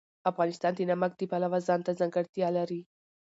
افغانستان د نمک د پلوه ځانته ځانګړتیا لري.